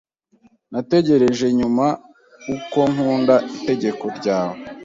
Natekereje nyuma uko nkunda itegeko ryawe